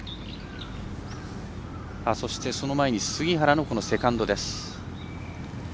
その前に、杉原のセカンドです。